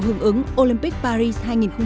hưởng ứng olympic paris hai nghìn hai mươi bốn